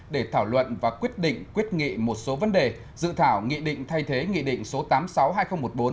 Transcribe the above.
để thảo luận và quyết định quyết nghị một số vấn đề dự thảo nghị định thay thế nghị định số tám trăm sáu mươi hai nghìn một mươi bốn